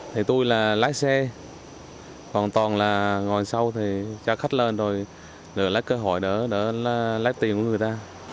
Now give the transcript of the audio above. thì tôi là lái xe còn toàn là ngồi sau thì cho khách lên rồi để lái cơ hội để lái tiền của người ta